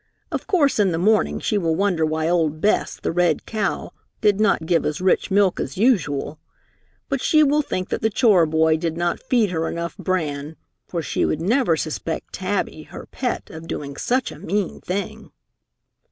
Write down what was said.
Of course in the morning she will wonder why old Bess, the red cow, did not give as rich milk as usual. But she will think that the chore boy did not feed her enough bran, for she would never suspect Tabby, her pet, of doing such a mean thing!"